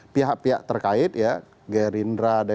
pihak pihak terkait ya